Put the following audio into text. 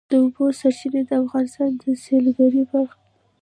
د اوبو سرچینې د افغانستان د سیلګرۍ برخه ده.